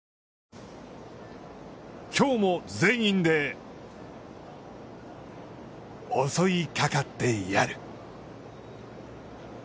きょうも全員で襲いかかってやる。